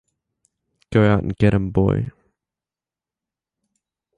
Go Out and Get 'Em, Boy!